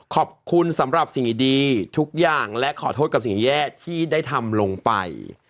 ขอบคุณสำหรับสิ่งดีทุกอย่างและขอโทษกับสิ่งแย่ที่ได้ทำลงไป